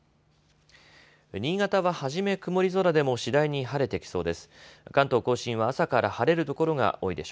新潟は初め曇り空でも次第に晴れてきそうです。